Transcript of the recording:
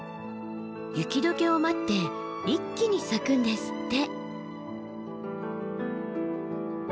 雪解けを待って一気に咲くんですって。